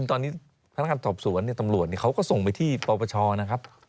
ตอนนี้พนักงานสอบสวนตำรวจเขาก็ส่งไปที่ปปชนะครับ